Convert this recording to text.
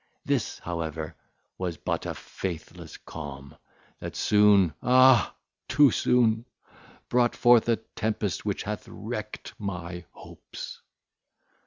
This, however, was but a faithless calm, that soon, ah! too soon, brought forth a tempest which hath wrecked my hopes.